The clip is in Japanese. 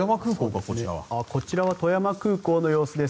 こちらは富山空港の様子です。